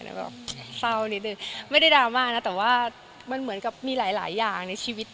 แล้วก็เศร้านิดนึงไม่ได้ดราม่านะแต่ว่ามันเหมือนกับมีหลายอย่างในชีวิต